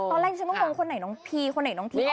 ตอนแรกฉันก็งงว่าคนไหนน้องพีคนไหนน้องที